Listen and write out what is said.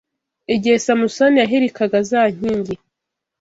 Igihe Samusoni yahirikaga za nkingi